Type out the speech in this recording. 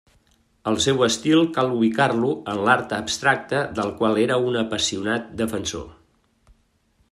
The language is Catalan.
El seu estil cal ubicar-lo en l'art abstracte del qual era un apassionat defensor.